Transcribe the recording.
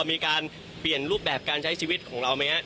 มีการเปลี่ยนรูปแบบการใช้ชีวิตของเราไหมครับ